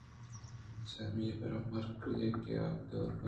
سیمی برا مِرکری ءَ کہ آپ ءَ دئور کُت